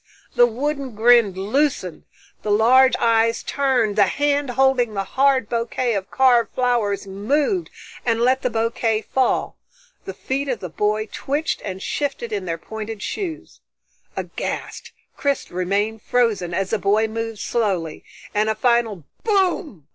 The wooden grin loosened, the large eyes turned, the hand holding the hard bouquet of carved flowers moved, and let the bouquet fall. The feet of the boy twitched and shifted in their pointed shoes. Aghast, Chris remained frozen as the boy moved slowly, and a final _Boom!